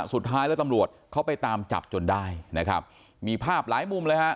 สุดท้ายแล้วตำรวจเขาไปตามจับจนได้นะครับมีภาพหลายมุมเลยฮะ